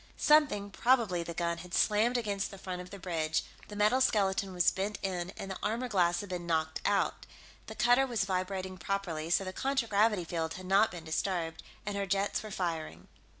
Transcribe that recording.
Something, probably the gun, had slammed against the front of the bridge the metal skeleton was bent in, and the armor glass had been knocked out. The cutter was vibrating properly, so the contragravity field had not been disturbed, and her jets were firing.